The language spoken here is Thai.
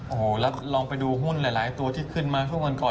โอ้โหแล้วลองไปดูหุ้นหลายตัวที่ขึ้นมาช่วงวันก่อน